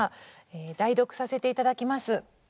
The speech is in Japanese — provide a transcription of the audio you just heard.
代読させて頂きます。